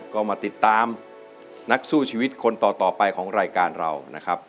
ก็มาติดตามนักสู้ชีวิตคนต่อไปของรายการเรานะครับ